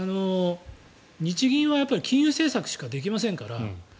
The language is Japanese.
日銀はやっぱり金融政策しかできませんから。